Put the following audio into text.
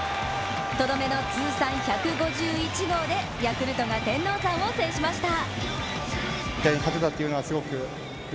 とどめの通算１５１号でヤクルトが天王山を制しました。